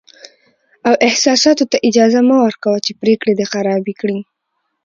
او احساساتو ته اجازه مه ورکوه چې پرېکړې دې خرابې کړي.